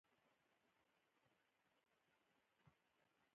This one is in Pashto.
تنوري خاصه ډوډۍ له سوچه ترمیده اوړو څخه تیارېږي.